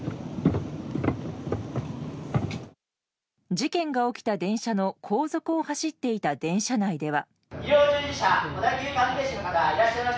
事件が起きた電車の後続を走っていた電車内では。